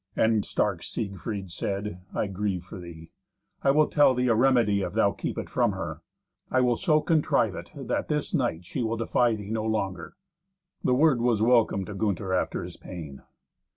And stark Siegfried said, "I grieve for thee. I will tell thee a remedy if thou keep it from her. I will so contrive it that this night she will defy thee no longer." The word was welcome to Gunther after his pain.